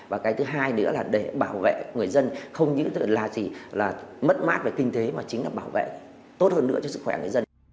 và cái thứ hai nữa là để bảo vệ người dân không những là chỉ là mất mát về kinh tế mà chính là bảo vệ tốt hơn nữa cho sức khỏe người dân